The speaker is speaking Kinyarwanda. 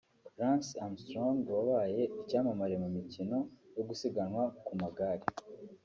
Lance Armstrong wabaye icyamamare mu mikino yo gusiganwa ku magare